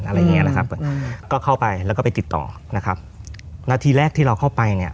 อะไรอย่างเงี้ยนะครับก็เข้าไปแล้วก็ไปติดต่อนะครับนาทีแรกที่เราเข้าไปเนี่ย